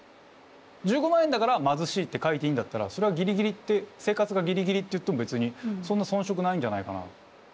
１５万円だから貧しいって書いていいんだったらそれは生活がギリギリって言っても別にそんな遜色ないんじゃないかな。